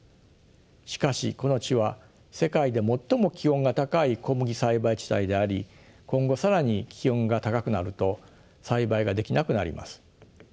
しかしこの地は世界で最も気温が高い小麦栽培地帯であり今後更に気温が高くなると栽培ができなくなります。